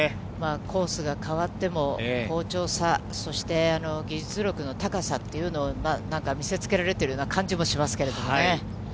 コースが変わっても、好調さ、そして技術力の高さっていうのを、なんか見せつけられているような感じもしますけれどもね。